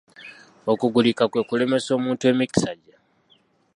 Okugulika kwe kulemesa omuntu emikisa gye.